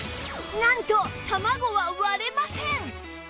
なんと卵は割れません！